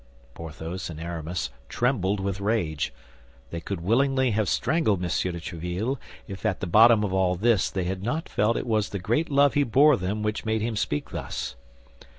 Porthos and Aramis trembled with rage. They could willingly have strangled M. de Tréville, if, at the bottom of all this, they had not felt it was the great love he bore them which made him speak thus.